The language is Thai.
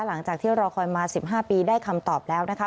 หลังจากที่รอคอยมา๑๕ปีได้คำตอบแล้วนะคะ